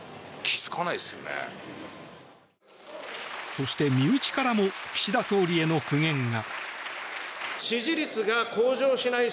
そして、身内からも岸田総理への苦言が。